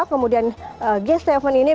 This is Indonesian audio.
kemudian g tujuh ini